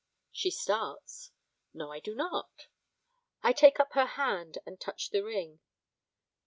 She starts. 'No, I do not!' I take up her hand and touch the ring.